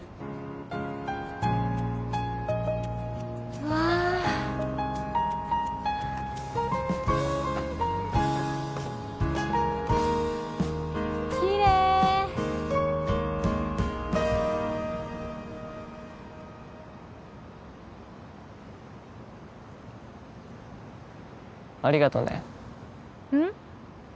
うわあキレイありがとねうん？